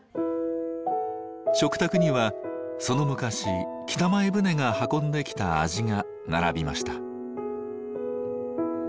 食卓にはその昔北前船が運んできた味が並びました。